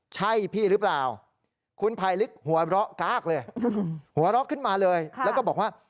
ใช่พี่หรือเปล่าคุณภัยลิกหัวเราะก๊ากเลยหัวเราะขึ้นมาเลยแล้วก็บอกว่า